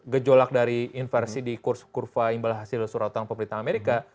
gejolak dari inversi di kurva imbal hasil surat utang pemerintah amerika